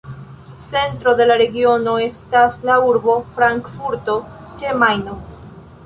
Centro de la regiono estas la urbo Frankfurto ĉe Majno.